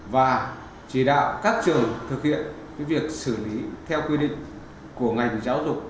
và chỉ đạo các trường thực hiện việc xử lý theo quy định của ngành giáo dục